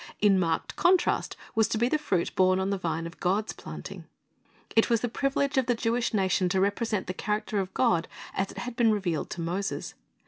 In marked contrast was to be the fruit borne on the vine of God's planting. It was the privilege of the Jewish nation to represent the character of God as it had been revealed to Moses.